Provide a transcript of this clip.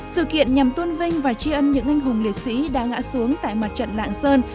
sự kiện nhằm tôn vinh và tri ân những anh hùng liệt sĩ đã ngã xuống tại mặt trận lạng sơn